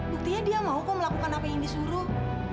buktinya dia mau kok melakukan apa yang indi suruh